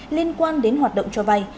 liên quan đến hoạt động cho vay